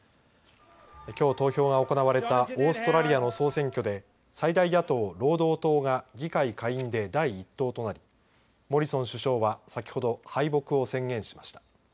きょう投票が行われたオーストラリアの総選挙で最大野党・労働党が議会下院で第１党となりモリソン首相は先ほど敗北を宣言しました。